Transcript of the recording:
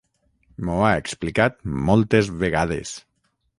M'ho ha explicat moltes vegades.